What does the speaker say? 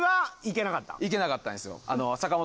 行けなかったんですよ。